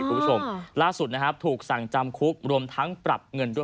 คุณผู้ชมล่าสุดนะครับถูกสั่งจำคุกรวมทั้งปรับเงินด้วย